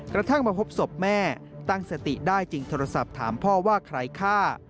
กระทั่งมาพบศพแม่ตั้งสติได้จึงโทรศัพท์ถามพ่อว่าใครฆ่า